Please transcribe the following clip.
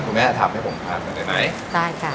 หุ้ยแม๊ยถามให้ผมทำว่าแผ่นนั้นไปไหน